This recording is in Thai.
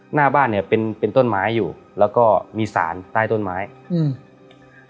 หน้าบ้านเนี้ยเป็นเป็นต้นไม้อยู่แล้วก็มีสารใต้ต้นไม้อืม